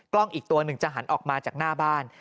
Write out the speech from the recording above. อีกตัวหนึ่งจะหันออกมาจากหน้าบ้าน